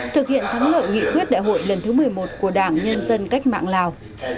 thực hiện thắng lợi nghị quyết đại hội lần thứ một mươi một của đảng nhân dân cách mạng lào